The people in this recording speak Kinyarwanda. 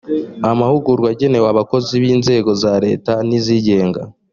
amahugurwa agenewe abakozi b inzego za leta n izigenga